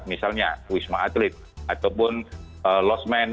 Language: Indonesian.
misalnya wisma atlet ataupun lost man